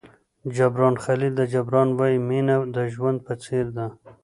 جبران خلیل جبران وایي مینه د ژوند په څېر ده.